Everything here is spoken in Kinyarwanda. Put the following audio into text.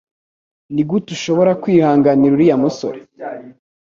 Nigute ushobora kwihanganira uriya musore?